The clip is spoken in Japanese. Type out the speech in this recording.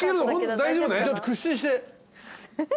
ちょっと屈伸して。